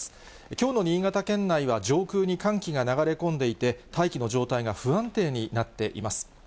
きょうの新潟県内は上空に寒気が流れ込んでいて、大気の状態が不安定になっています。